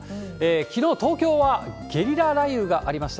きのう、東京はゲリラ雷雨がありました。